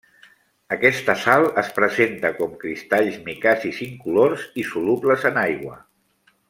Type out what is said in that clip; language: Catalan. Aquesta sal es presenta com cristalls micacis incolors i solubles en aigua.